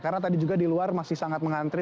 karena tadi juga di luar masih sangat mengantri